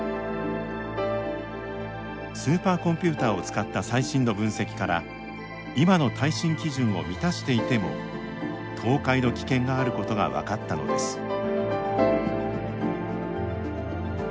スーパーコンピューターを使った最新の分析から今の耐震基準を満たしていても倒壊の危険があることが分かったのです。